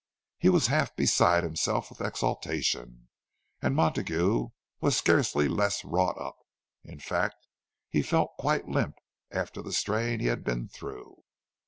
He was half beside himself with exultation; and Montague was scarcely less wrought up—in fact he felt quite limp after the strain he had been through.